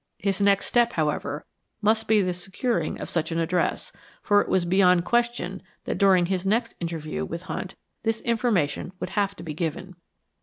His next step, however, must be the securing of such an address, for it was beyond question that during his next interview with Hunt this information would have to be given.